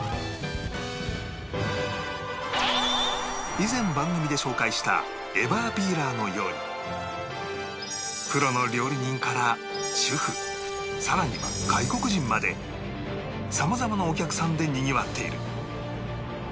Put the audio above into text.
以前番組で紹介したエバーピーラーのようにプロの料理人から主婦更には外国人までさまざまなお客さんでにぎわっている